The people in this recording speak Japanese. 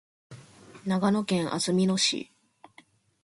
長野県安曇野市